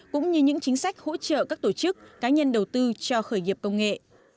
cũng như những chính sách hỗ trợ các tổ chức cá nhân đầu tư cho khởi nghiệp công nghệ